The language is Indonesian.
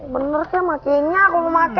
bener sih makinnya aku mau pake